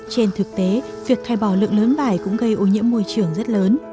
trên thực tế việc thay bỏ lượng lớn vải cũng gây ô nhiễm môi trường rất lớn